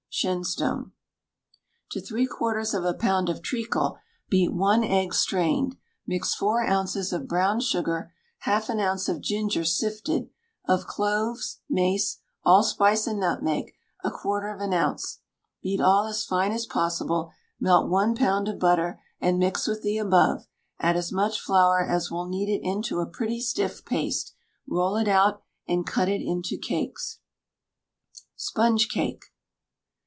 SHENSTONE. To three quarters of a pound of treacle, beat one egg strained; mix four ounces of brown sugar, half an ounce of ginger sifted, of cloves, mace, allspice, and nutmeg, a quarter of an ounce; beat all as fine as possible; melt one pound of butter, and mix with the above: add as much flour as will knead it into a pretty stiff paste; roll it out, and cut it in cakes. SPONGE CAKE.